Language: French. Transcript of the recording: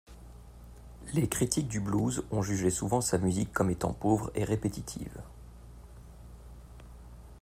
Les critiques du blues ont jugé souvent sa musique comme étant pauvre et répétitive.